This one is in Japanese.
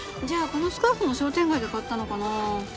じゃあこのスカーフも商店街で買ったのかな？